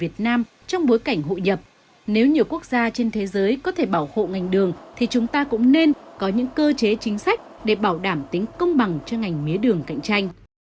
trong bối cảnh hội nhập nếu nhiều quốc gia trên thế giới có thể bảo hộ ngành đường thì chúng ta cũng nên có những cơ chế chính sách để bảo đảm tính công bằng cho ngành mía đường cạnh tranh